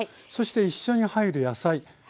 そして一緒に入る野菜。